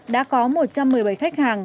đã có một trăm một mươi bảy khách hàng